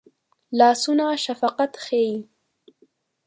لاسونه شفقت ښيي